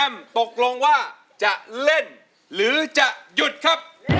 ไม่ใช่ค่ะ